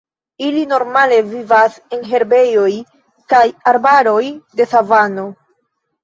Ili normale vivas en herbejoj kaj arbaroj de savano.